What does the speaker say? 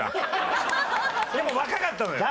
でも若かったのよ。